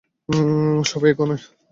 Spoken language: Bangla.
সবাই, এখনই!